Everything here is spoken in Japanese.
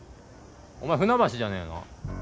お前船橋じゃねえの？